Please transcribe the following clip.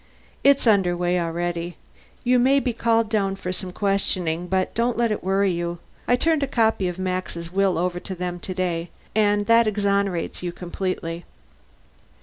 "It's under way already. You may be called down for questioning, but don't let it worry you. I turned a copy of Max's will over to them today, and that exonerates you completely."